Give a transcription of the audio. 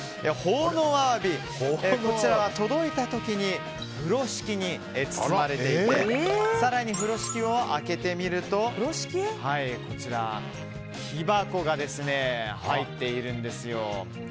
奉納鮑、こちらは届いた時に風呂敷に包まれていて更に風呂敷を開けてみると木箱が入っているんですよ。